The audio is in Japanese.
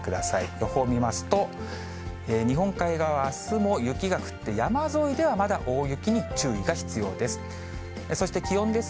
予報を見ますと、日本海側はあすも雪が降って、山沿いではまだ大雪に注意が必要です。